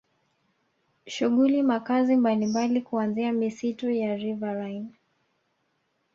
Shughuli makazi mbalimbali kuanzia misitu ya riverine